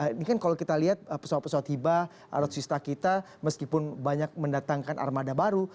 ini kan kalau kita lihat pesawat pesawat tiba alutsista kita meskipun banyak mendatangkan armada baru